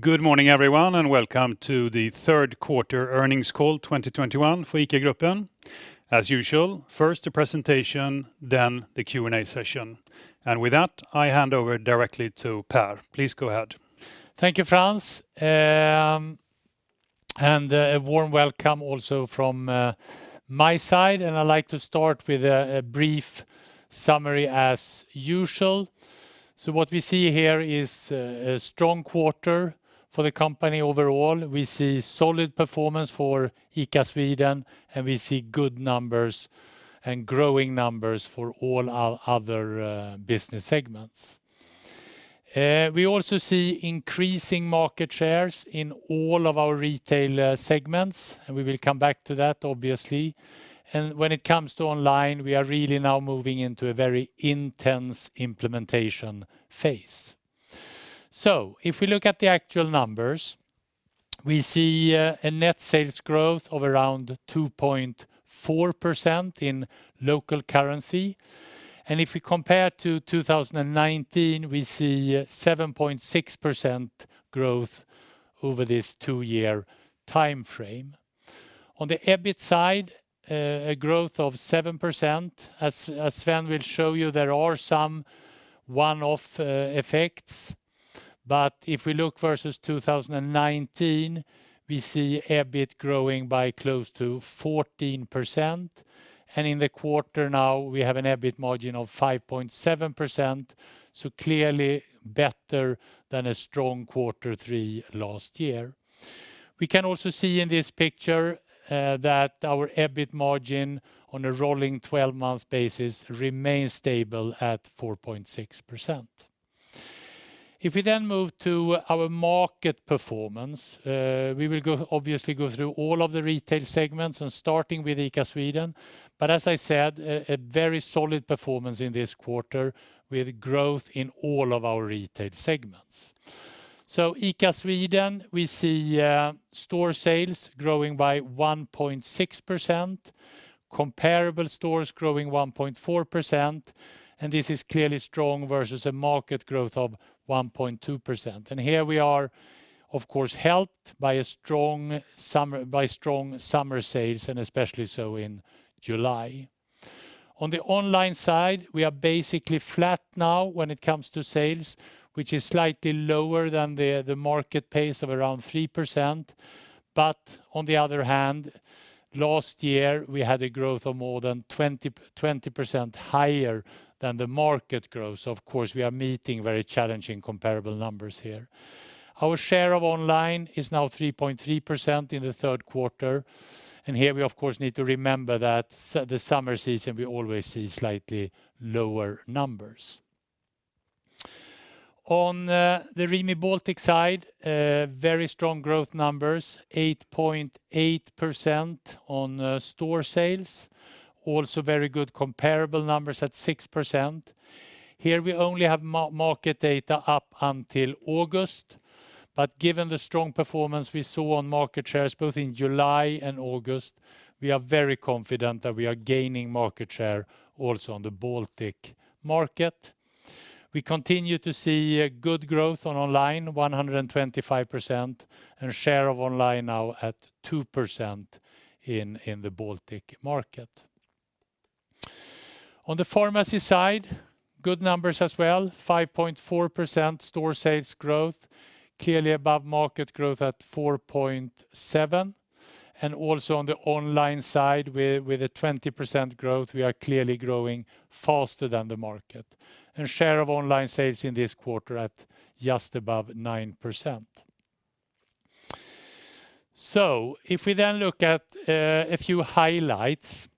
Good morning, everyone, and welcome to the Third Quarter Earnings Call 2021 for ICA Gruppen. As usual, first the presentation, then the Q&A session. With that, I hand over directly to Per. Please go ahead. Thank you, Frans. A warm welcome also from my side. I'd like to start with a brief summary as usual. What we see here is a strong quarter for the company overall. We see solid performance for ICA Sweden, and we see good numbers and growing numbers for all our other business segments. We also see increasing market shares in all of our retail segments, and we will come back to that, obviously. When it comes to online, we are really now moving into a very intense implementation phase. If we look at the actual numbers, we see a net sales growth of around 2.4% in local currency. If we compare to 2019, we see 7.6% growth over this two-year timeframe. On the EBIT side, a growth of 7%. As Sven will show you, there are some one-off effects. If we look versus 2019, we see EBIT growing by close to 14%. In the quarter now, we have an EBIT margin of 5.7%, so clearly better than a strong Q3 last year. We can also see in this picture that our EBIT margin on a rolling 12-month basis remains stable at 4.6%. If we move to our market performance, we will go obviously through all of the retail segments and starting with ICA Sweden. As I said, a very solid performance in this quarter with growth in all of our retail segments. ICA Sweden, we see store sales growing by 1.6%, comparable stores growing 1.4%, and this is clearly strong versus a market growth of 1.2%. Here we are, of course, helped by a strong summer, by strong summer sales and especially so in July. On the online side, we are basically flat now when it comes to sales, which is slightly lower than the market pace of around 3%. On the other hand, last year, we had a growth of more than 20% higher than the market growth. Of course, we are meeting very challenging comparable numbers here. Our share of online is now 3.3% in the third quarter, and here we of course need to remember that the summer season, we always see slightly lower numbers. On the Rimi Baltic side, very strong growth numbers, 8.8% on store sales. Also very good comparable numbers at 6%. Here we only have market data up until August. Given the strong performance we saw on market shares both in July and August, we are very confident that we are gaining market share also on the Baltic market. We continue to see a good growth on online, 125%, and share of online now at 2% in the Baltic market. On the pharmacy side, good numbers as well, 5.4% store sales growth, clearly above market growth at 4.7%. Also on the online side with a 20% growth, we are clearly growing faster than the market. Share of online sales in this quarter at just above 9%. If we then look at a few highlights,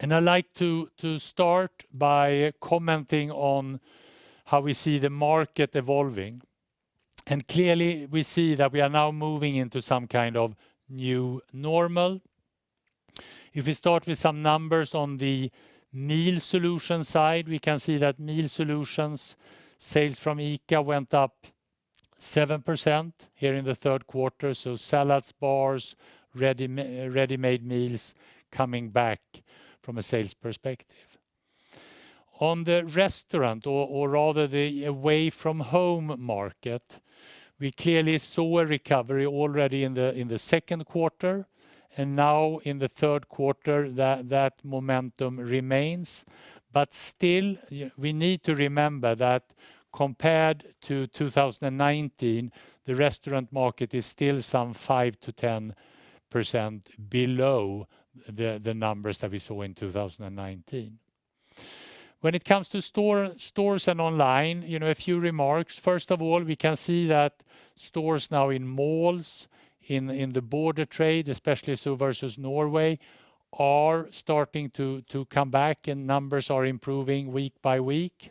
and I'd like to start by commenting on how we see the market evolving. Clearly we see that we are now moving into some kind of new normal. If we start with some numbers on the meal solution side, we can see that meal solutions sales from ICA went up 7% here in the third quarter. Salads, bars, ready-made meals coming back from a sales perspective. On the restaurant or rather the away-from-home market, we clearly saw a recovery already in the second quarter, and now in the third quarter that momentum remains. We need to remember that compared to 2019, the restaurant market is still some 5%-10% below the numbers that we saw in 2019. When it comes to stores and online, you know, a few remarks. First of all, we can see that stores now in malls, in the border trade, especially so versus Norway, are starting to come back and numbers are improving week by week.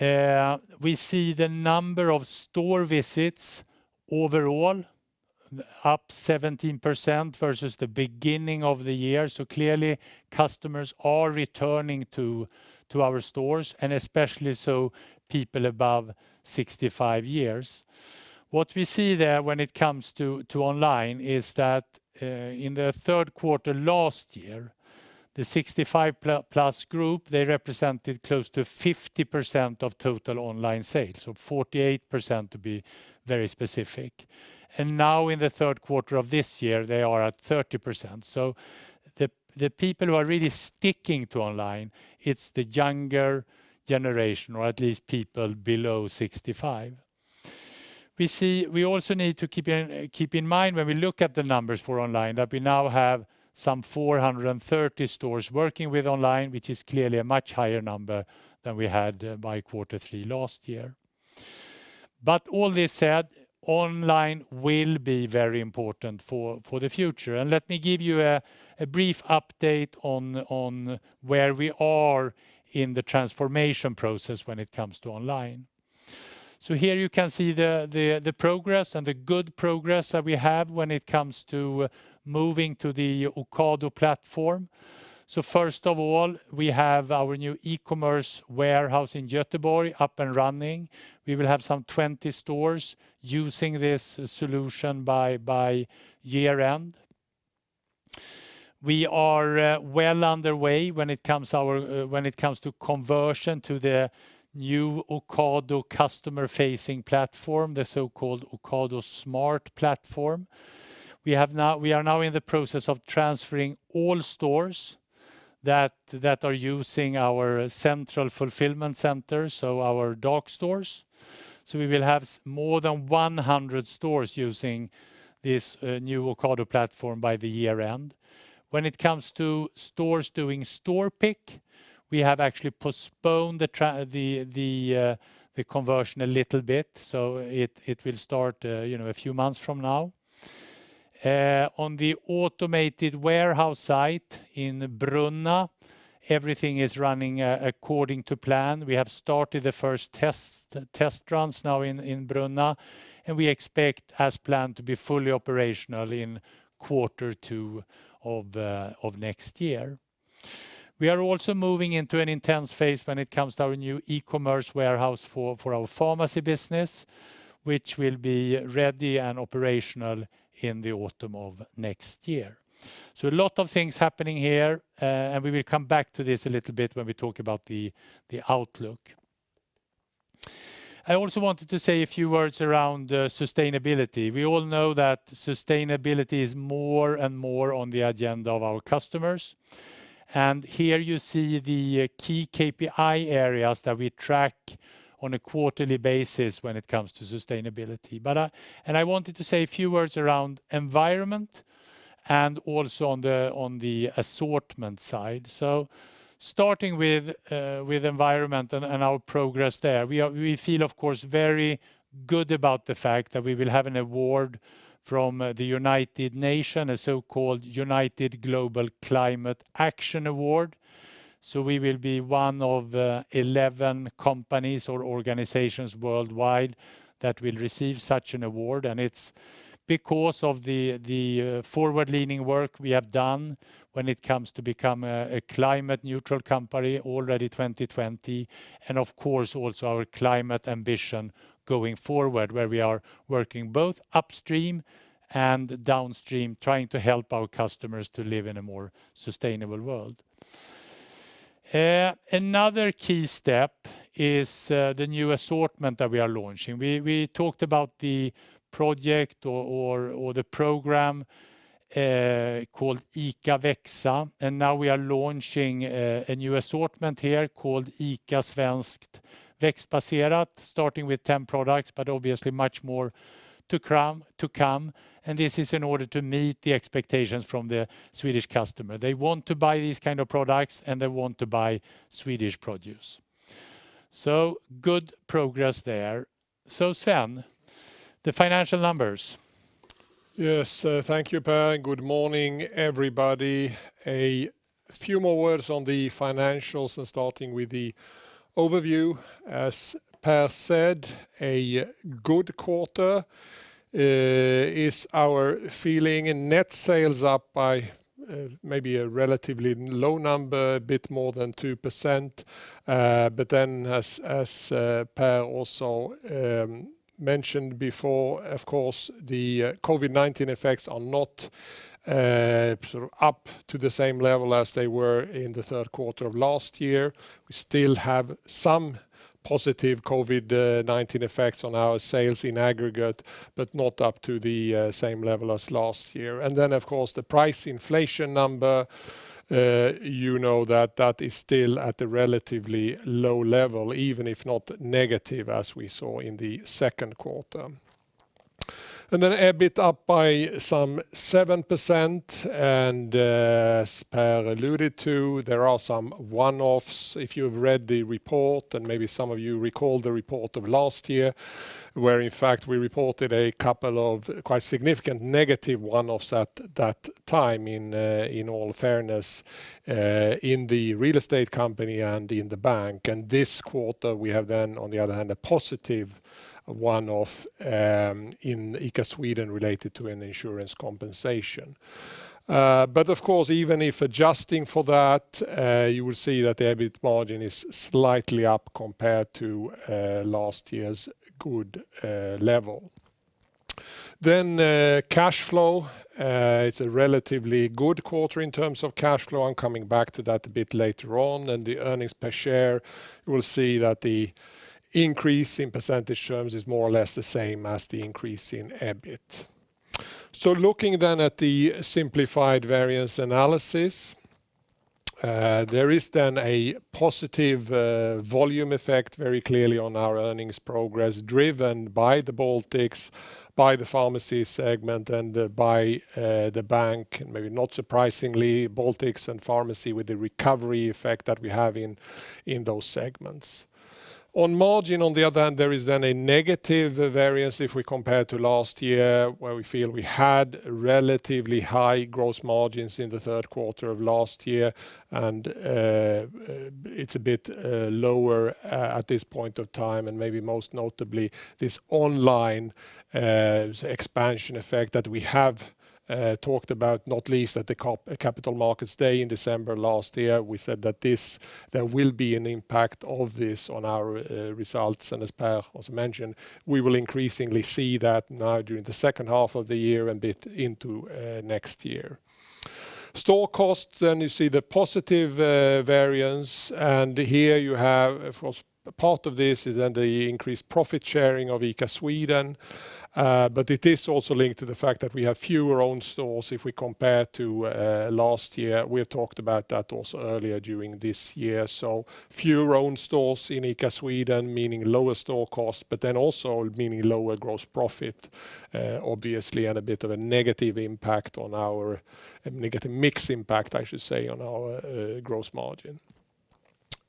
We see the number of store visits overall up 17% versus the beginning of the year. Clearly customers are returning to our stores, and especially so people above 65 years. What we see there when it comes to online is that, in the third quarter last year, the 65+group, they represented close to 50% of total online sales, so 48% to be very specific. Now in the third quarter of this year, they are at 30%. The people who are really sticking to online, it's the younger generation, or at least people below 65. We also need to keep in mind when we look at the numbers for online, that we now have some 430 stores working with online, which is clearly a much higher number than we had by Q3 last year. All this said, online will be very important for the future. Let me give you a brief update on where we are in the transformation process when it comes to online. Here you can see the progress and the good progress that we have when it comes to moving to the Ocado platform. First of all, we have our new e-commerce warehouse in Göteborg up and running. We will have some 20 stores using this solution by year-end. We are well underway when it comes to conversion to the new Ocado customer-facing platform, the so-called Ocado Smart Platform. We are now in the process of transferring all stores that are using our central fulfillment center, so our dark stores. We will have more than 100 stores using this new Ocado platform by the year-end. When it comes to stores doing store pick, we have actually postponed the conversion a little bit, so it will start, you know, a few months from now. On the automated warehouse site in Brunna, everything is running according to plan. We have started the first test runs now in Brunna, and we expect, as planned, to be fully operational in Q2 of next year. We are also moving into an intense phase when it comes to our new e-commerce warehouse for our pharmacy business, which will be ready and operational in the autumn of next year. A lot of things happening here, and we will come back to this a little bit when we talk about the outlook. I also wanted to say a few words around sustainability. We all know that sustainability is more and more on the agenda of our customers. Here you see the key KPI areas that we track on a quarterly basis when it comes to sustainability. I wanted to say a few words around environment and also on the assortment side. Starting with environment and our progress there. We feel, of course, very good about the fact that we will have an award from the United Nations, a so-called UN Global Climate Action Award. We will be one of 11 companies or organizations worldwide that will receive such an award. It's because of the forward-leaning work we have done when it comes to become a climate neutral company already 2020. Of course, also our climate ambition going forward, where we are working both upstream and downstream, trying to help our customers to live in a more sustainable world. Another key step is the new assortment that we are launching. We talked about the program called ICA Växa, and now we are launching a new assortment here called ICA svenskt växtbaserat, starting with 10 products, but obviously much more to come. This is in order to meet the expectations from the Swedish customer. They want to buy these kind of products, and they want to buy Swedish produce. Good progress there. Sven, the financial numbers. Yes. Thank you, Per. Good morning, everybody. A few more words on the financials and starting with the overview. As Per said, a good quarter is our feeling. Net sales up by maybe a relatively low number, a bit more than 2%. But then as Per also mentioned before, of course, the COVID-19 effects are not sort of up to the same level as they were in the third quarter of last year. We still have some positive COVID-19 effects on our sales in aggregate, but not up to the same level as last year. Of course, the price inflation number, you know that is still at a relatively low level, even if not negative as we saw in the second quarter. EBIT up by some 7% and, as Per alluded to, there are some one-offs. If you've read the report, and maybe some of you recall the report of last year, where in fact we reported a couple of quite significant negative one-offs at that time, in all fairness, in the real estate company and in the bank. This quarter we have then, on the other hand, a positive one-off, in ICA Sweden related to an insurance compensation. Of course, even if adjusting for that, you will see that the EBIT margin is slightly up compared to last year's good level. Cash flow. It's a relatively good quarter in terms of cash flow. I'm coming back to that a bit later on, and the earnings per share, we'll see that the increase in percentage terms is more or less the same as the increase in EBIT. Looking then at the simplified variance analysis, there is then a positive volume effect very clearly on our earnings progress, driven by the Baltics, by the pharmacy segment, and by the bank, and maybe not surprisingly, Baltics and pharmacy with the recovery effect that we have in those segments. On margin, on the other hand, there is then a negative variance if we compare to last year, where we feel we had relatively high gross margins in the third quarter of last year and it's a bit lower at this point of time and maybe most notably this online expansion effect that we have talked about, not least at the Capital Markets Day in December last year. We said that this there will be an impact of this on our results. As Per also mentioned, we will increasingly see that now during the second half of the year and a bit into next year. Store costs, then you see the positive variance, and here you have, of course, part of this is then the increased profit sharing of ICA Sweden, but it is also linked to the fact that we have fewer own stores if we compare to last year. We have talked about that also earlier during this year. Fewer own stores in ICA Sweden, meaning lower store costs, but then also meaning lower gross profit, obviously, and a negative mix impact, I should say, on our gross margin.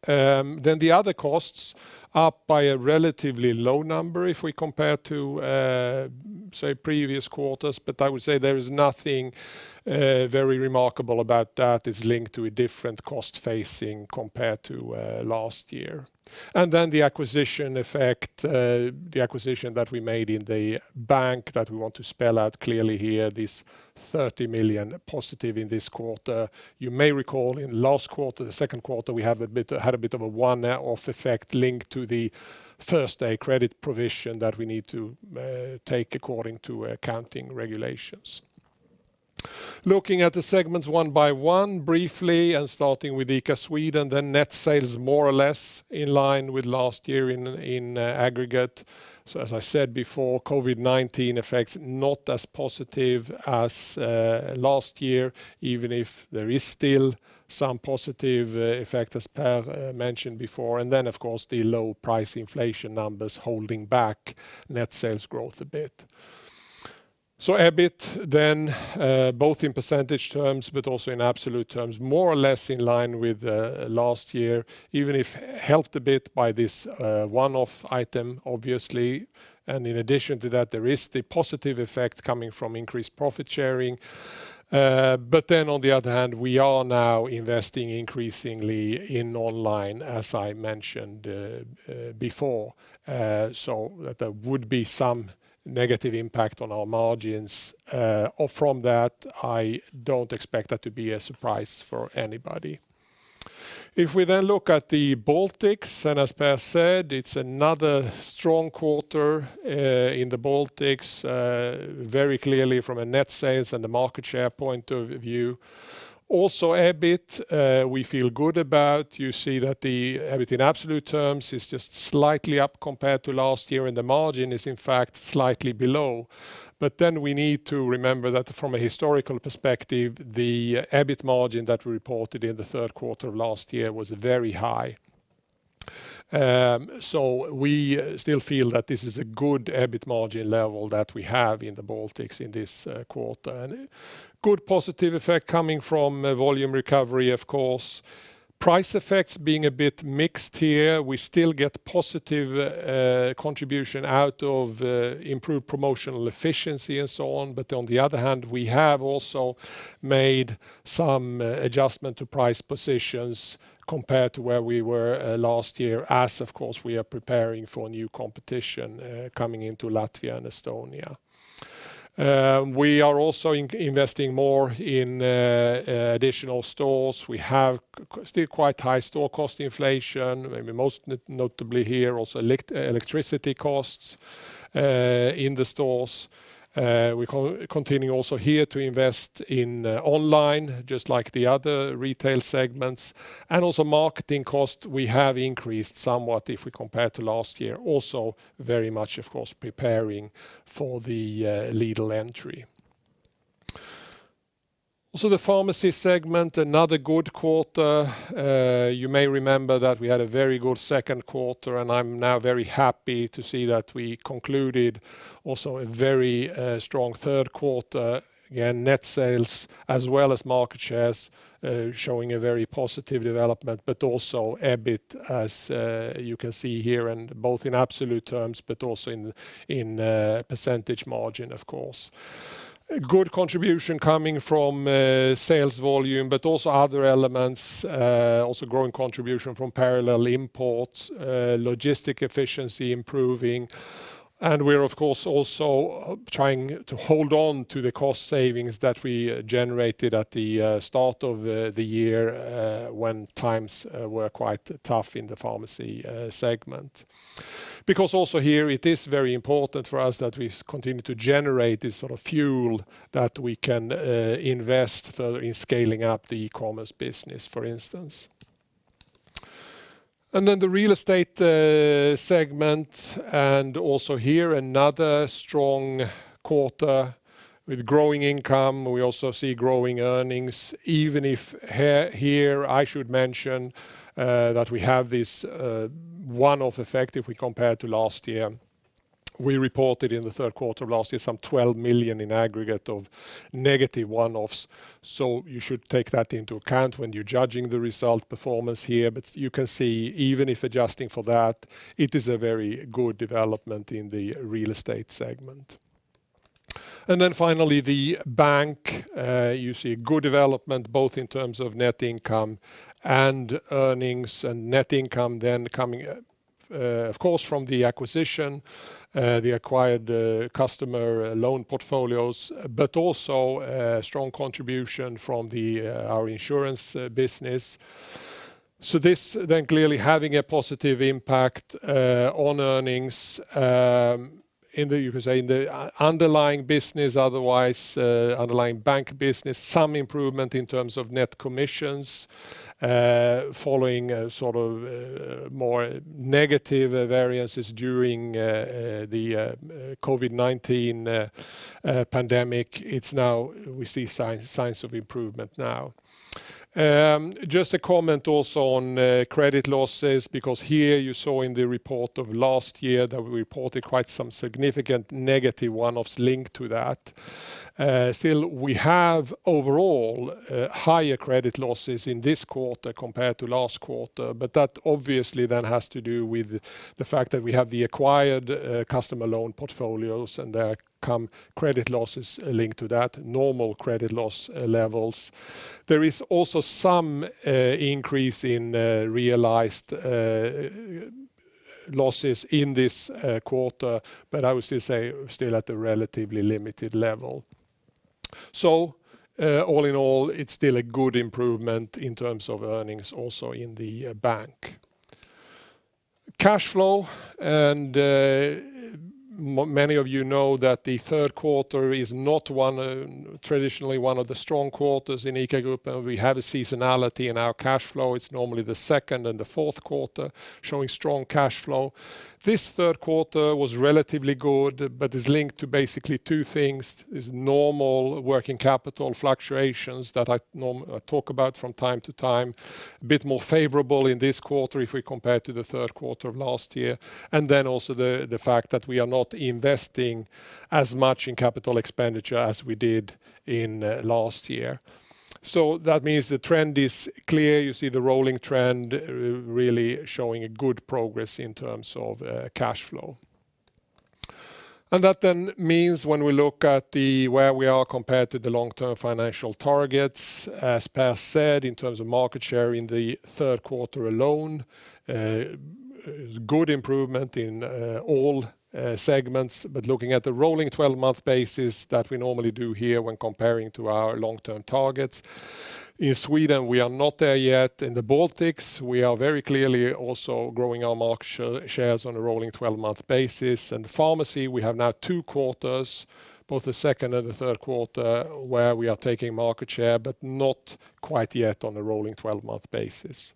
The other costs are up by a relatively low number if we compare to, say, previous quarters. I would say there is nothing very remarkable about that. It's linked to a different cost base compared to last year. The acquisition effect, the acquisition that we made in the bank that we want to spell out clearly here, this 30 million positive in this quarter. You may recall in last quarter, the second quarter, we had a bit of a one-off effect linked to the first-day credit provision that we need to take according to accounting regulations. Looking at the segments one by one briefly and starting with ICA Sweden, the net sales more or less in line with last year in aggregate. As I said before, COVID-19 effects not as positive as last year, even if there is still some positive effect as Per mentioned before. Of course, the low price inflation numbers holding back net sales growth a bit. EBIT then, both in percentage terms but also in absolute terms, more or less in line with last year, even if helped a bit by this one-off item, obviously. In addition to that, there is the positive effect coming from increased profit sharing. On the other hand, we are now investing increasingly in online, as I mentioned before. There would be some negative impact on our margins, or from that, I don't expect that to be a surprise for anybody. If we then look at the Baltics, and as Per said, it's another strong quarter in the Baltics, very clearly from a net sales and a market share point of view. Also, EBIT, we feel good about. You see that the EBIT in absolute terms is just slightly up compared to last year, and the margin is in fact slightly below. We need to remember that from a historical perspective, the EBIT margin that we reported in the third quarter of last year was very high. We still feel that this is a good EBIT margin level that we have in the Baltics in this quarter. Good positive effect coming from a volume recovery, of course. Price effects being a bit mixed here. We still get positive contribution out of improved promotional efficiency and so on. On the other hand, we have also made some adjustment to price positions compared to where we were last year. Of course, we are preparing for new competition coming into Latvia and Estonia. We are also investing more in additional stores. We have still quite high store cost inflation, maybe most notably here, also electricity costs in the stores. We continue also here to invest in online, just like the other retail segments. Also marketing costs, we have increased somewhat if we compare to last year. Also very much, of course, preparing for the Lidl entry. Also the pharmacy segment, another good quarter. You may remember that we had a very good second quarter, and I'm now very happy to see that we concluded also a very strong third quarter. Again, net sales as well as market shares showing a very positive development, but also EBIT, as you can see here, and both in absolute terms, but also in percentage margin, of course. A good contribution coming from sales volume, but also other elements, also growing contribution from parallel imports, logistic efficiency improving. We're, of course, also trying to hold on to the cost savings that we generated at the start of the year when times were quite tough in the pharmacy segment. Because also here it is very important for us that we continue to generate this sort of fuel that we can invest further in scaling up the commerce business, for instance. Then the Real Estate segment, and also here another strong quarter with growing income. We also see growing earnings, even if here I should mention that we have this one-off effect if we compare to last year. We reported in the third quarter of last year some 12 million in aggregate of negative one-offs. You should take that into account when you're judging the results performance here. You can see, even if adjusting for that, it is a very good development in the Real Estate segment. Finally, the bank, you see good development both in terms of net income and earnings. Net income then coming, of course, from the acquisition, the acquired customer loan portfolios, but also a strong contribution from our insurance business. This then clearly having a positive impact on earnings in the underlying business otherwise, underlying bank business. Some improvement in terms of net commissions following a sort of more negative variances during the COVID-19 pandemic. We now see signs of improvement now. Just a comment also on credit losses, because here you saw in the report of last year that we reported quite some significant negative one-offs linked to that. Still we have overall higher credit losses in this quarter compared to last quarter, but that obviously then has to do with the fact that we have the acquired customer loan portfolios and there come credit losses linked to that, normal credit loss levels. There is also some increase in realized losses in this quarter, but I would still say at a relatively limited level. All in all, it's still a good improvement in terms of earnings also in the bank. Cash flow, many of you know that the third quarter is not traditionally one of the strong quarters in ICA Gruppen, and we have a seasonality in our cash flow. It's normally the second and the fourth quarter showing strong cash flow. This third quarter was relatively good, but is linked to basically two things, normal working capital fluctuations that I talk about from time to time, a bit more favorable in this quarter if we compare to the third quarter of last year. Then also the fact that we are not investing as much in capital expenditure as we did in last year. That means the trend is clear. You see the rolling trend really showing a good progress in terms of cash flow. That then means when we look at where we are compared to the long-term financial targets, as Per said, in terms of market share in the third quarter alone, good improvement in all segments. Looking at the rolling 12-month basis that we normally do here when comparing to our long-term targets, in Sweden, we are not there yet. In the Baltics, we are very clearly also growing our market shares on a rolling 12-month basis. In pharmacy, we have now two quarters, both the second and the third quarter, where we are taking market share, but not quite yet on a rolling 12-month basis.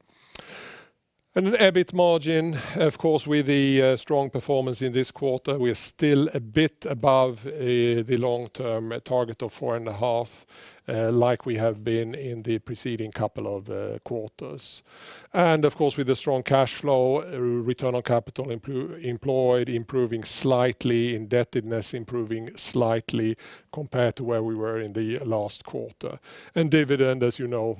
EBIT margin, of course, with the strong performance in this quarter, we are still a bit above the long-term target of 4.5%, like we have been in the preceding couple of quarters. Of course, with the strong cash flow, return on capital employed improving slightly, indebtedness improving slightly compared to where we were in the last quarter. Dividend, as you know,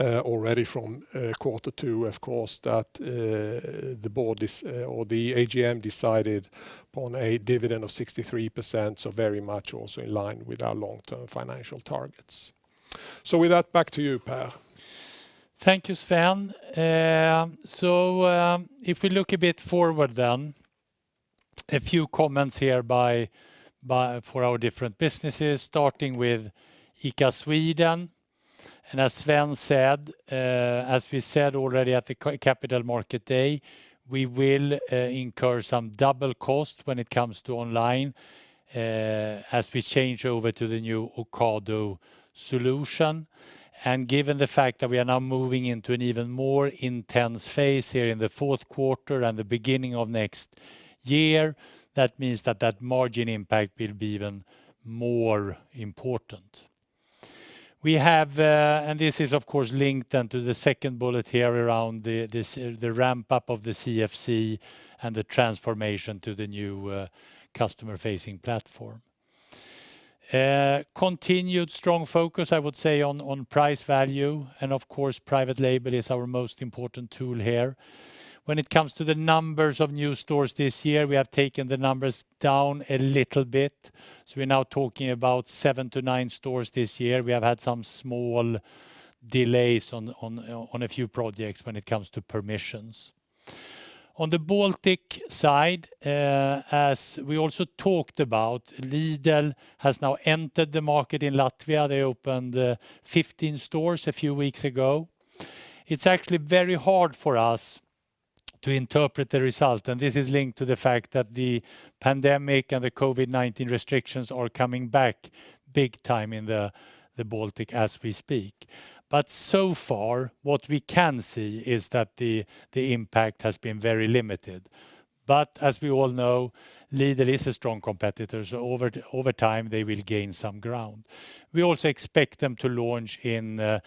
already from Q2, of course, the board, or the AGM, decided upon a dividend of 63%, so very much also in line with our long-term financial targets. With that, back to you, Per. Thank you, Sven. So, if we look a bit forward then, a few comments here for our different businesses, starting with ICA Sweden. As Sven said, as we said already at the Capital Markets Day, we will incur some double cost when it comes to online, as we change over to the new Ocado solution. Given the fact that we are now moving into an even more intense phase here in the fourth quarter and the beginning of next year, that means that margin impact will be even more important. We have, and this is of course linked then to the second bullet here around the ramp-up of the CFC and the transformation to the new customer-facing platform. Continued strong focus, I would say on price value, and of course private label is our most important tool here. When it comes to the numbers of new stores this year, we have taken the numbers down a little bit. We're now talking about seven to nine stores this year. We have had some small delays on a few projects when it comes to permissions. On the Baltic side, as we also talked about, Lidl has now entered the market in Latvia. They opened 15 stores a few weeks ago. It's actually very hard for us to interpret the result, and this is linked to the fact that the pandemic and the COVID-19 restrictions are coming back big time in the Baltic as we speak. So far, what we can see is that the impact has been very limited. As we all know, Lidl is a strong competitor, so over time they will gain some ground. We also expect them to launch in the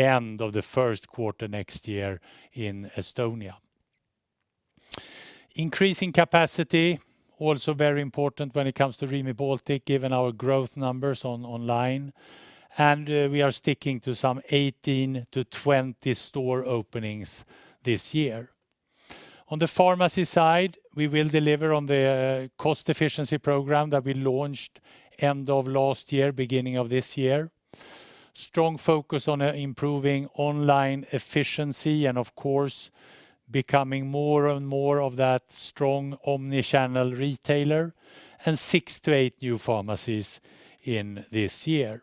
end of the first quarter next year in Estonia. Increasing capacity, also very important when it comes to Rimi Baltic, given our growth numbers online, and we are sticking to some 18-20 store openings this year. On the pharmacy side, we will deliver on the cost efficiency program that we launched end of last year, beginning of this year. Strong focus on improving online efficiency and of course becoming more and more of that strong omni-channel retailer, and six to eight new pharmacies in this year.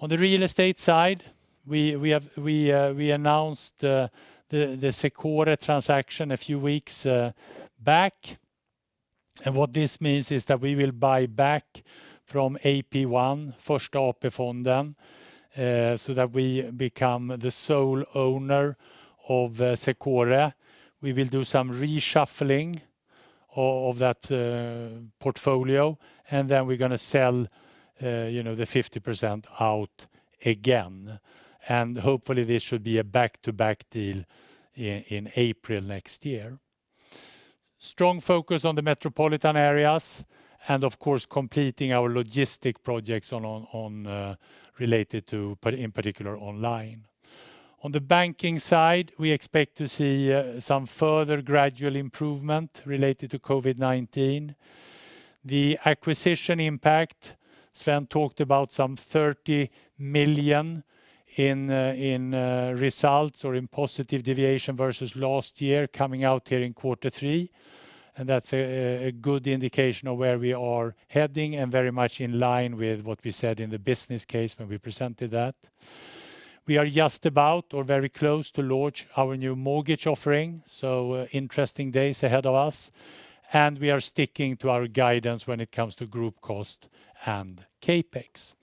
On the Real Estate side, we announced the Secore transaction a few weeks back. What this means is that we will buy back from Första AP-fonden so that we become the sole owner of Secore. We will do some reshuffling of that portfolio, and then we're gonna sell you know, the 50% out again. Hopefully this should be a back-to-back deal in April next year. Strong focus on the metropolitan areas and of course completing our logistic projects on related to in particular online. On the banking side, we expect to see some further gradual improvement related to COVID-19. The acquisition impact, Sven talked about some 30 million in results or in positive deviation versus last year coming out here in Q3, and that's a good indication of where we are heading and very much in line with what we said in the business case when we presented that. We are just about or very close to launch our new mortgage offering, so interesting days ahead of us, and we are sticking to our guidance when it comes to group cost and CapEx.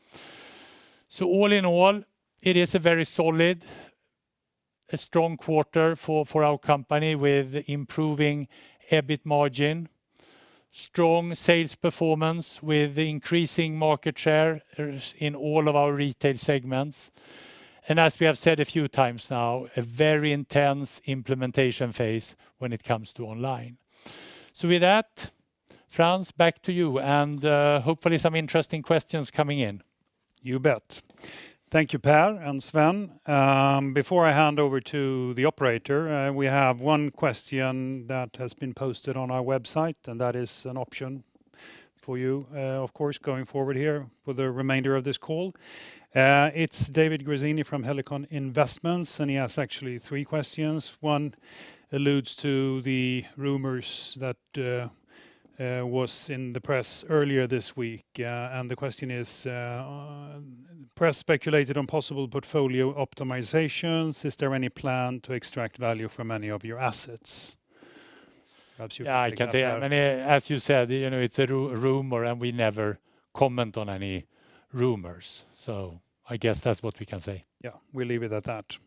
All in all, it is a very solid, a strong quarter for our company with improving EBIT margin, strong sales performance with increasing market share in all of our retail segments. As we have said a few times now, a very intense implementation phase when it comes to online. With that, Frans, back to you, and hopefully some interesting questions coming in. You bet. Thank you, Per and Sven. Before I hand over to the operator, we have one question that has been posted on our website, and that is an option for you, of course, going forward here for the remainder of this call. It's David Grazzini from Helikon Investments, and he has actually three questions. One alludes to the rumors that was in the press earlier this week. The question is, "Press speculated on possible portfolio optimizations. Is there any plan to extract value from any of your assets?" Perhaps you- Yeah, I can take that. I mean, as you said, you know, it's a rumor, and we never comment on any rumors. I guess that's what we can say. Yeah. We'll leave it at that.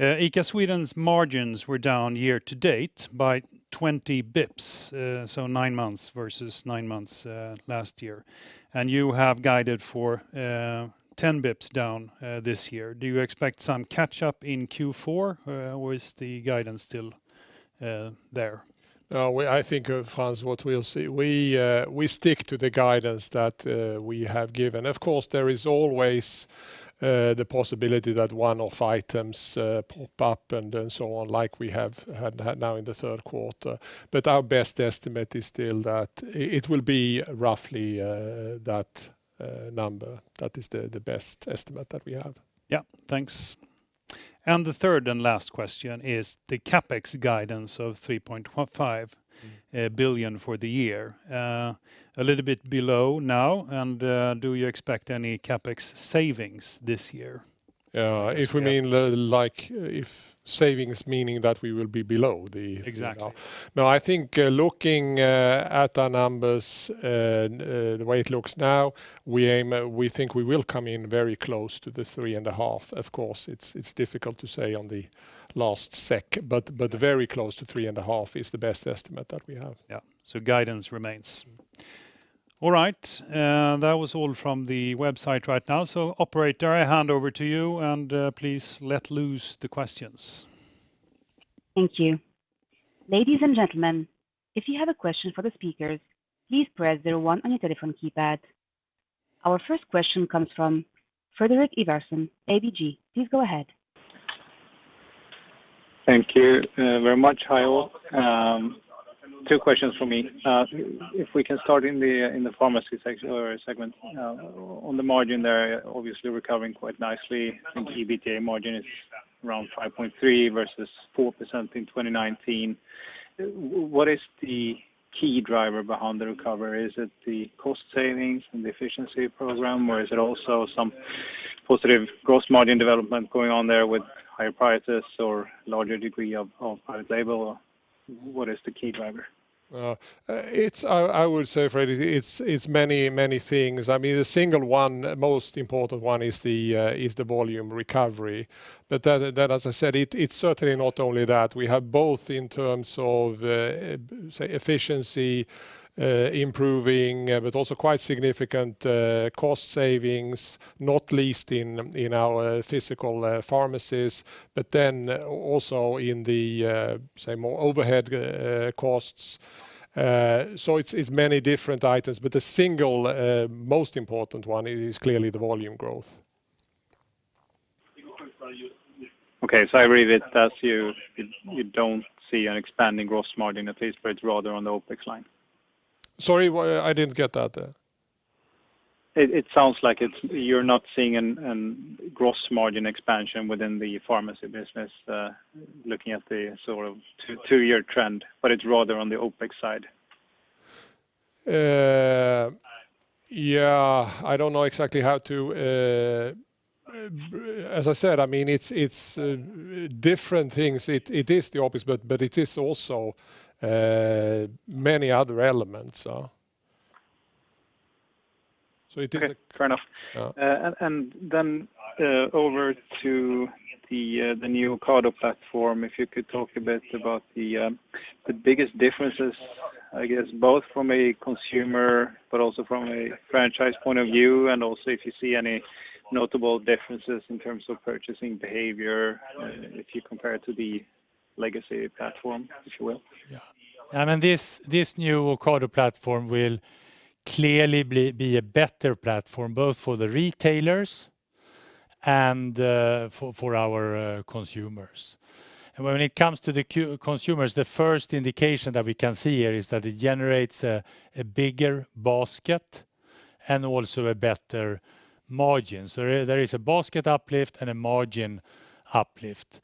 ICA Sweden's margins were down year to date by 20 bips, so nine months versus nine months last year. You have guided for 10 bips down this year. Do you expect some catch-up in Q4, or is the guidance still there? I think, Frans, what we'll see, we stick to the guidance that we have given. Of course, there is always the possibility that one-off items pop up and so on, like we have had now in the third quarter. Our best estimate is still that it will be roughly that number. That is the best estimate that we have. Yeah. Thanks. The third and last question is the CapEx guidance of 3.55 billion for the year, a little bit below now. Do you expect any CapEx savings this year? If we mean the like if savings meaning that we will be below the- Exactly You know? No, I think, looking at our numbers, the way it looks now, we aim, we think we will come in very close to the 3.5%. Of course, it's difficult to say on the last second, but very close to 3.5% is the best estimate that we have. Yeah. Guidance remains. All right. That was all from the website right now. Operator, I hand over to you, and please let loose the questions. Thank you. Ladies and gentlemen, if you have a question for the speakers, please press zero one on your telephone keypad. Our first question comes from Fredrik Ivarsson, ABG. Please go ahead. Thank you, very much. Hi all. Two questions from me. If we can start in the pharmacy section or segment. On the margin there, obviously recovering quite nicely. EBITDA margin is around 5.3 versus 4% in 2019. What is the key driver behind the recovery? Is it the cost savings and efficiency program, or is it also some positive gross margin development going on there with higher prices or larger degree of private label? What is the key driver? I would say, Freddy, it's many things. I mean, the single one, most important one is the volume recovery. That, as I said, it's certainly not only that. We have both in terms of say, efficiency improving, but also quite significant cost savings, not least in our physical pharmacies, but then also in the say more overhead costs. It's many different items, but the single most important one is clearly the volume growth. Okay. I read it as you don't see an expanding gross margin at least, but it's rather on the OpEx line. Sorry, what? I didn't get that. It sounds like it's—you're not seeing a gross margin expansion within the pharmacy business, looking at the sort of two-year trend, but it's rather on the OpEx side. I don't know exactly how to. As I said, I mean, it's different things. It is the OpEx, but it is also many other elements. It is Okay. Fair enough. Yeah. Over to the new Ocado platform, if you could talk a bit about the biggest differences, I guess, both from a consumer but also from a franchise point of view, and also if you see any notable differences in terms of purchasing behavior, if you compare it to the legacy platform, if you will? Yeah. I mean, this new Ocado platform will clearly be a better platform both for the retailers and for our consumers. When it comes to the consumers, the first indication that we can see here is that it generates a bigger basket and also a better margin. There is a basket uplift and a margin uplift.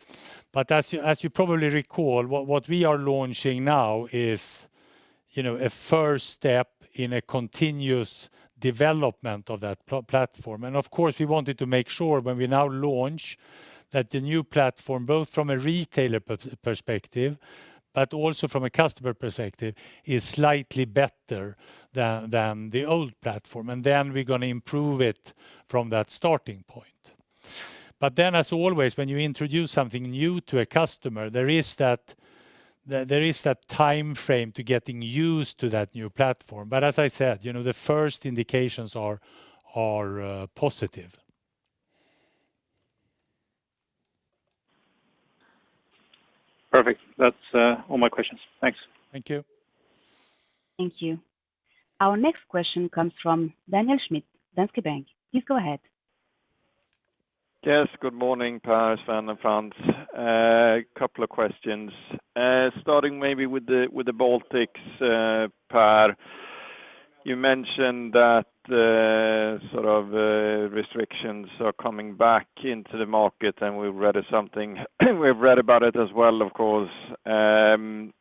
As you probably recall, what we are launching now is, you know, a first step in a continuous development of that platform. Of course, we wanted to make sure when we now launch that the new platform, both from a retailer perspective but also from a customer perspective, is slightly better than the old platform. Then we're gonna improve it from that starting point. As always, when you introduce something new to a customer, there is that timeframe to getting used to that new platform. As I said, you know, the first indications are positive. Perfect. That's all my questions. Thanks. Thank you. Thank you. Our next question comes from Daniel Schmidt, Danske Bank. Please go ahead. Yes. Good morning, Per, Sven, and Frans. A couple of questions. Starting maybe with the Baltics, Per. You mentioned that the sort of restrictions are coming back into the market, and we read something. We've read about it as well, of course, and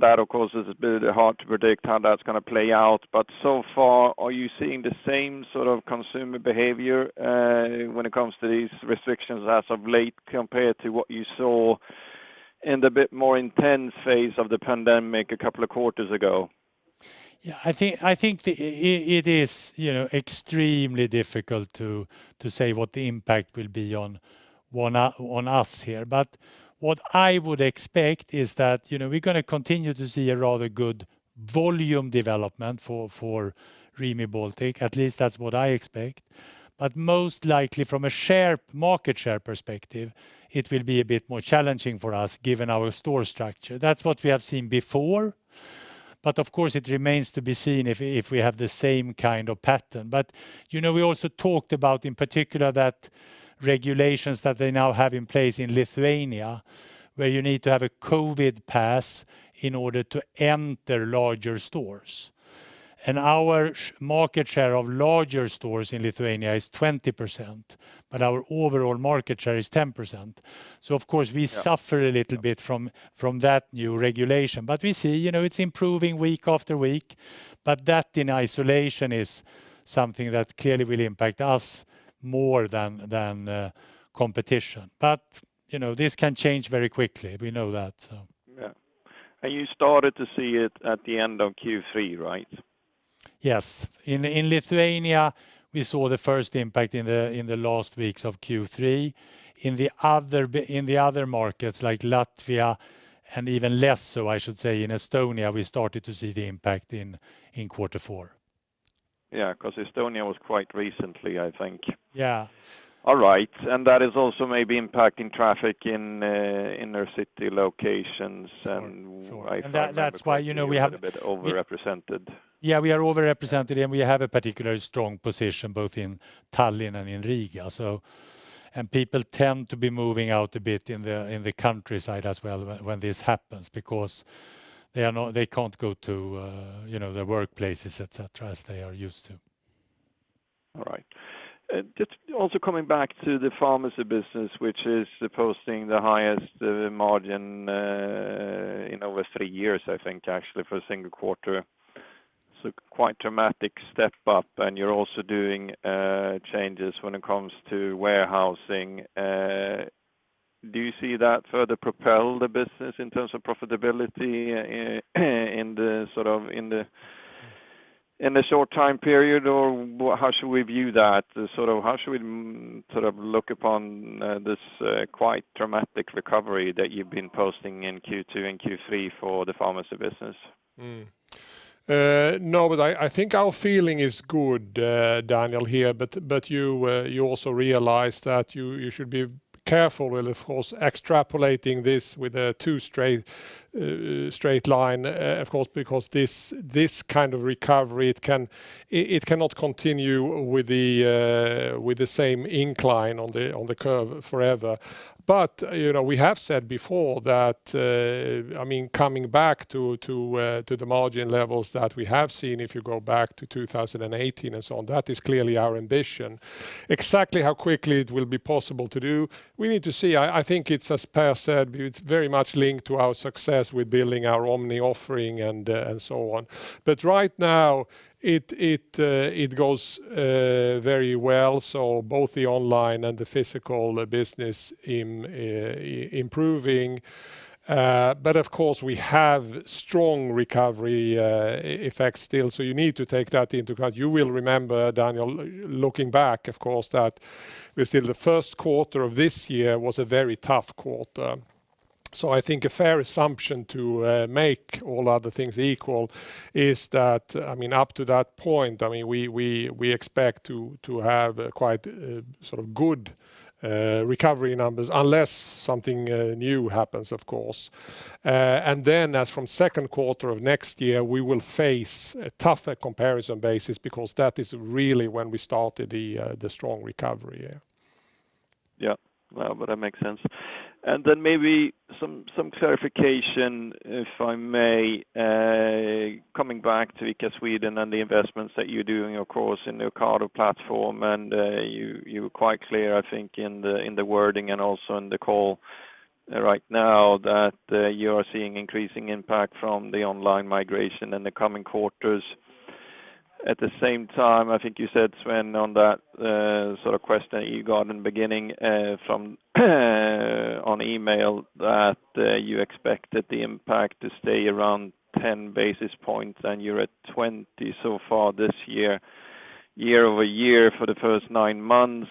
that of course is a bit hard to predict how that's gonna play out. But so far, are you seeing the same sort of consumer behavior when it comes to these restrictions as of late compared to what you saw in the bit more intense phase of the pandemic a couple of quarters ago? Yeah. I think it is, you know, extremely difficult to say what the impact will be on us here. What I would expect is that, you know, we're gonna continue to see a rather good volume development for Rimi Baltic, at least that's what I expect. Most likely from a market share perspective, it will be a bit more challenging for us given our store structure. That's what we have seen before. Of course, it remains to be seen if we have the same kind of pattern. You know, we also talked about in particular that regulations that they now have in place in Lithuania, where you need to have a COVID pass in order to enter larger stores. Our market share of larger stores in Lithuania is 20%, but our overall market share is 10%. Yeah... we suffer a little bit from that new regulation. We see, you know, it's improving week after week. That in isolation is something that clearly will impact us more than competition. You know, this can change very quickly. We know that, so. Yeah. You started to see it at the end of Q3, right? Yes. In Lithuania, we saw the first impact in the last weeks of Q3. In the other markets like Latvia, and even less so, I should say, in Estonia, we started to see the impact in Q4. Yeah, 'cause Estonia was quite recently, I think. Yeah. All right. That is also maybe impacting traffic in inner city locations. Sure. Sure I find that. That's why, you know, we have a little bit overrepresented. Yeah, we are overrepresented, and we have a particularly strong position both in Tallinn and in Riga. People tend to be moving out a bit in the countryside as well when this happens because they can't go to, you know, their workplaces, et cetera, as they are used to. Just also coming back to the pharmacy business, which is showing the highest margin in over three years, I think, actually for a single quarter. Quite dramatic step up, and you're also doing changes when it comes to warehousing. Do you see that further propel the business in terms of profitability in the sort of short time period, or how should we view that? Sort of how should we look upon this quite dramatic recovery that you've been posting in Q2 and Q3 for the pharmacy business? No. I think our feeling is good, Daniel, Sven here. You also realize that you should be careful with, of course, extrapolating this with a too straight line, of course, because this kind of recovery, it cannot continue with the same incline on the curve forever. You know, we have said before that, I mean, coming back to the margin levels that we have seen, if you go back to 2018 and so on, that is clearly our ambition. Exactly how quickly it will be possible to do, we need to see. I think it's as Per said, it's very much linked to our success with building our omni-offering and so on. Right now, it goes very well, so both the online and the physical business improving. Of course, we have strong recovery effects still, so you need to take that into account. You will remember, Daniel, looking back, of course, that you see, the first quarter of this year was a very tough quarter. I think a fair assumption to make, all other things equal, is that I mean, up to that point, I mean, we expect to have quite sort of good recovery numbers unless something new happens, of course. As from second quarter of next year, we will face a tougher comparison basis because that is really when we started the strong recovery. Yeah. Well, but that makes sense. Maybe some clarification, if I may, coming back to ICA Sweden and the investments that you're doing, of course, in Ocado platform. You were quite clear, I think, in the wording and also in the call right now that you are seeing increasing impact from the online migration in the coming quarters. At the same time, I think you said, Sven, on that sort of question you got in the beginning from an email that you expected the impact to stay around 10 basis points, and you're at 20 so far this YoY for the first nine months.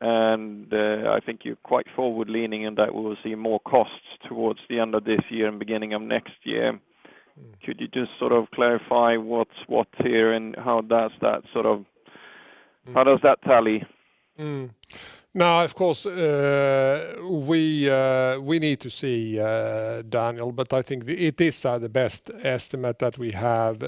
I think you're quite forward-leaning in that we will see more costs towards the end of this year and beginning of next year. Could you just sort of clarify what's what here and how does that sort of? Mm. How does that tally? No, of course, we need to see, Daniel, but I think it is the best estimate that we have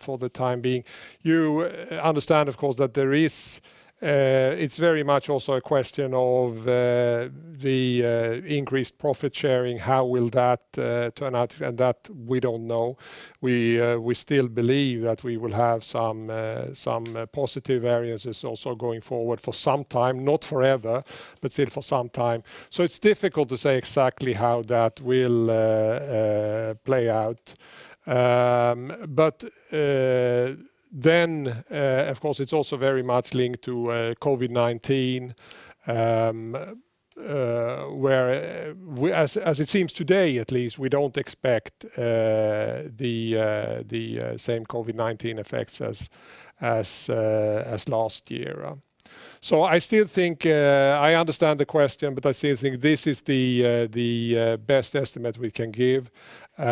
for the time being. You understand, of course, that there is, it's very much also a question of the increased profit sharing, how will that turn out? That we don't know. We still believe that we will have some positive variances also going forward for some time, not forever, but still for some time. It's difficult to say exactly how that will play out. But, of course, it's also very much linked to COVID-19, where, as it seems today, at least, we don't expect the same COVID-19 effects as last year. I still think I understand the question, but I still think this is the best estimate we can give for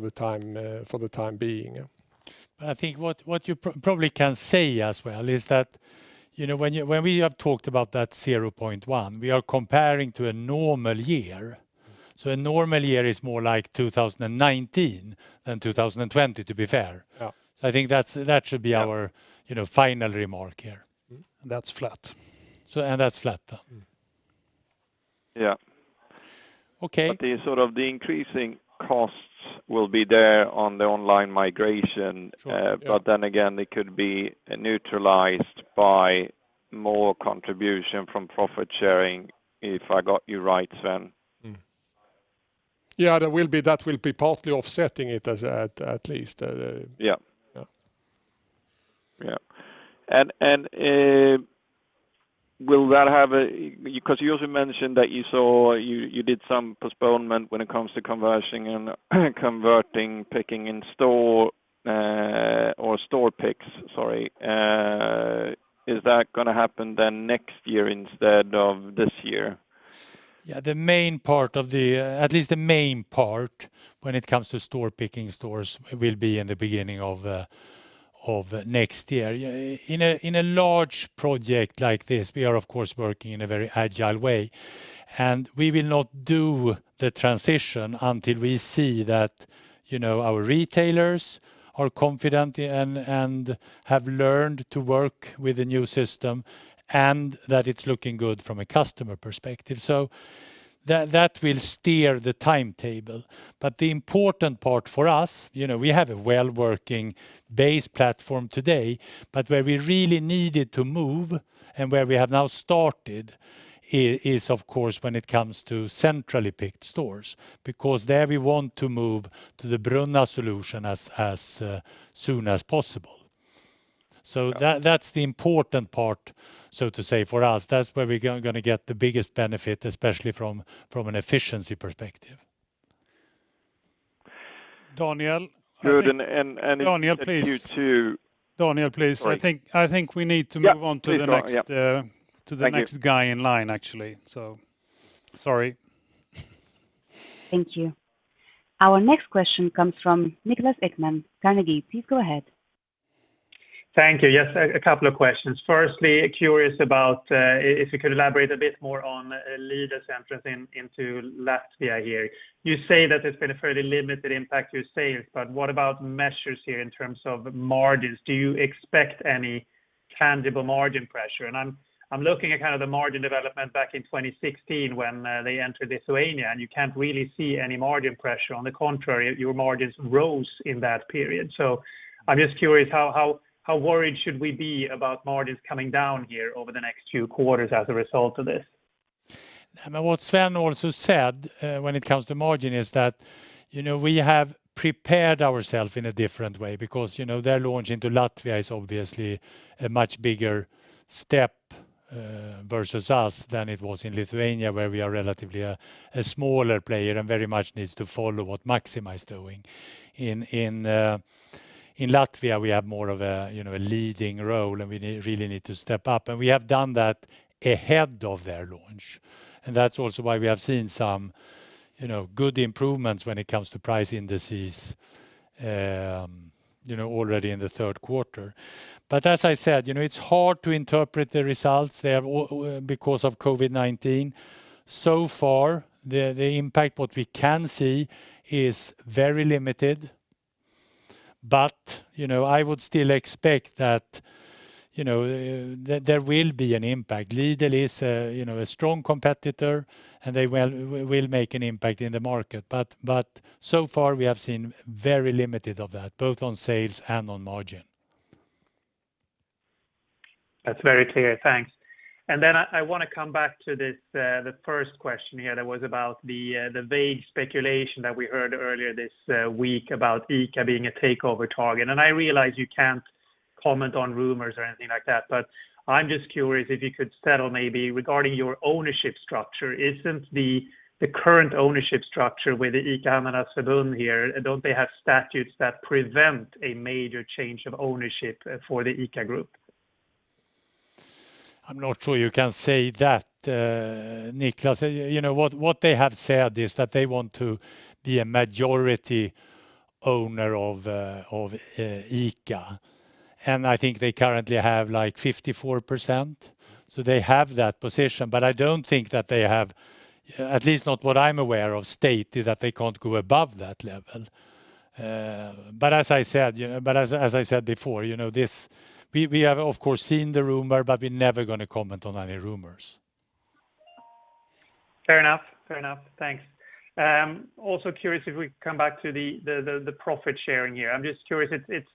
the time being, yeah. I think what you probably can say as well is that, you know, when we have talked about that 0.1%, we are comparing to a normal year. A normal year is more like 2019 than 2020, to be fair. Yeah. I think that should be our Yeah. You know, final remark here. Mm. That's flat, yeah. Mm. Yeah. Okay. The sort of increasing costs will be there on the online migration. Sure, yeah. They could be neutralized by more contribution from profit sharing, if I got you right, Sven? Yeah, that will be partly offsetting it, as at least, Yeah. Yeah. Yeah. Will that have a? Because you also mentioned that you did some postponement when it comes to conversion and converting, picking in store or store picks, sorry. Is that gonna happen then next year instead of this year? Yeah. The main part of the, at least the main part when it comes to store picking stores will be in the beginning of next year. In a large project like this, we are of course working in a very agile way, and we will not do the transition until we see that, you know, our retailers are confident and have learned to work with the new system and that it's looking good from a customer perspective. That will steer the timetable. The important part for us, you know, we have a well-working base platform today, but where we really needed to move and where we have now started is, of course, when it comes to centrally picked stores, because there we want to move to the Brunna solution as soon as possible. That, that's the important part, so to say, for us. That's where we're gonna get the biggest benefit, especially from an efficiency perspective. Daniel? Good. If you two- Daniel, please. Sorry. I think we need to move on to the next. Yeah. Please go on. Yep... uh- Thank you. to the next guy in line, actually. Sorry. Thank you. Our next question comes from Niklas Ekman, Carnegie. Please go ahead. Thank you. Yes, a couple of questions. Firstly, I'm curious about if you could elaborate a bit more on Lidl's entrance into Latvia here. You say that it's been a fairly limited impact to your sales, but what about pressure here in terms of margins? Do you expect any tangible margin pressure? I'm looking at kind of the margin development back in 2016 when they entered Lithuania, and you can't really see any margin pressure. On the contrary, your margins rose in that period. I'm just curious, how worried should we be about margins coming down here over the next few quarters as a result of this? I mean, what Sven also said, when it comes to margin is that, you know, we have prepared ourselves in a different way because, you know, their launch into Latvia is obviously a much bigger step, versus us than it was in Lithuania, where we are relatively a smaller player and very much needs to follow what Maxima is doing. In Latvia, we have more of a, you know, a leading role, and we really need to step up, and we have done that ahead of their launch. That's also why we have seen some, you know, good improvements when it comes to price indices, you know, already in the third quarter. As I said, you know, it's hard to interpret the results they have because of COVID-19. So far, the impact what we can see is very limited. You know, I would still expect that, you know, there will be an impact. Lidl is, you know, a strong competitor, and they will make an impact in the market. So far we have seen very limited of that, both on sales and on margin. That's very clear. Thanks. I wanna come back to this, the first question here that was about the vague speculation that we heard earlier this week about ICA being a takeover target. I realize you can't comment on rumors or anything like that, but I'm just curious if you could settle maybe regarding your ownership structure. Isn't the current ownership structure with the ICA-handlarnas here? Don't they have statutes that prevent a major change of ownership for the ICA Gruppen? I'm not sure you can say that, Niklas. You know, what they have said is that they want to be a majority owner of ICA, and I think they currently have, like, 54%, so they have that position. I don't think that they have, at least not what I'm aware of, stated that they can't go above that level. As I said before, you know, we have of course seen the rumor, but we're never gonna comment on any rumors. Fair enough. Thanks. Also curious if we come back to the profit-sharing here. I'm just curious, it's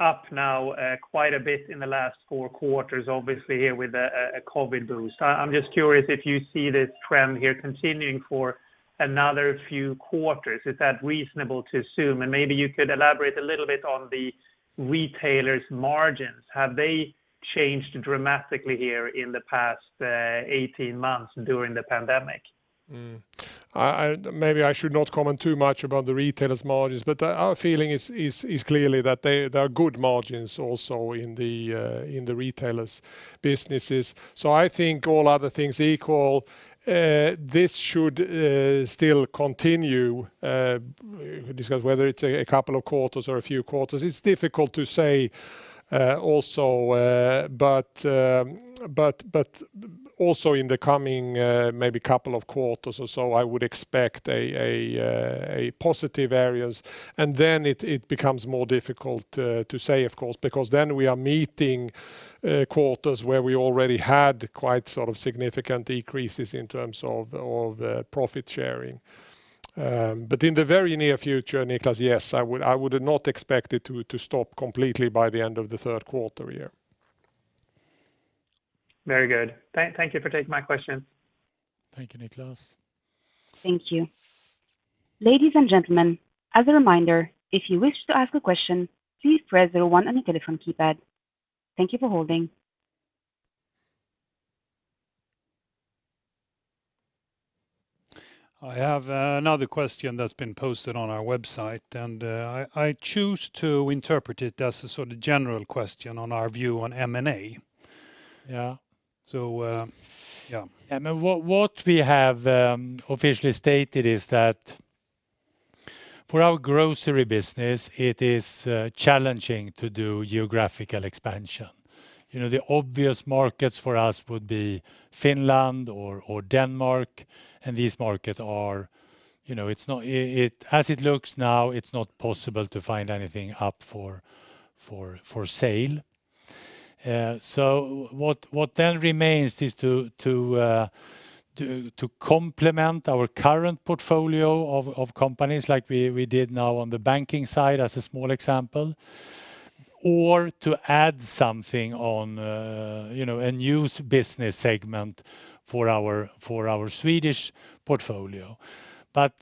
up now quite a bit in the last four quarters, obviously here with a COVID boost. I'm just curious if you see this trend here continuing for another few quarters. Is that reasonable to assume? Maybe you could elaborate a little bit on the retailers' margins. Have they changed dramatically here in the past 18 months during the pandemic? Maybe I should not comment too much about the retailers' margins, but our feeling is clearly that there are good margins also in the retailers' businesses. I think all other things equal, this should still continue because whether it's a couple of quarters or a few quarters, it's difficult to say, also. Also in the coming, maybe couple of quarters or so, I would expect a positive areas, and then it becomes more difficult to say, of course, because then we are meeting quarters where we already had quite sort of significant decreases in terms of profit sharing. In the very near future, Niklas, yes, I would not expect it to stop completely by the end of the third quarter year. Very good. Thank you for taking my questions. Thank you, Niklas. Thank you. Ladies and gentlemen, as a reminder, if you wish to ask a question, please press zero one on your telephone keypad. Thank you for holding. I have another question that's been posted on our website, and I choose to interpret it as a sort of general question on our view on M&A. Yeah. Yeah. I mean, what we have officially stated is that for our grocery business, it is challenging to do geographical expansion. You know, the obvious markets for us would be Finland or Denmark, and these markets are, you know, it's not possible to find anything up for sale. So what then remains is to complement our current portfolio of companies like we did now on the banking side as a small example or to add something on, you know, a new business segment for our Swedish portfolio.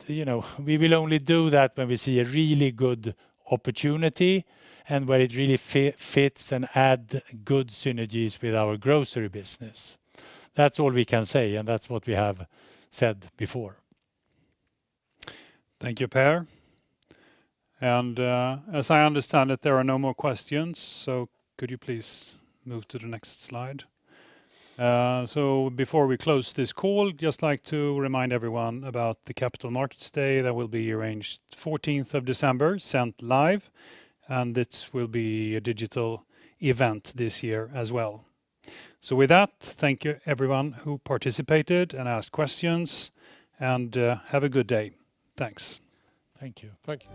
You know, we will only do that when we see a really good opportunity and where it really fits and add good synergies with our grocery business. That's all we can say, and that's what we have said before. Thank you, Per. As I understand it, there are no more questions. Could you please move to the next slide? Before we close this call, I just like to remind everyone about the Capital Markets Day that will be arranged on the 14th of December, streamed live, and it will be a digital event this year as well. With that, thank you everyone who participated and asked questions, and have a good day. Thanks. Thank you. Thank you.